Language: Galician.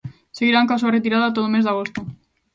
Seguirán coa súa retirada todo o mes de agosto.